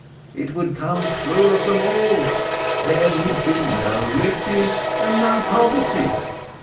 It would come true of them all, there would be no riches and no poverty.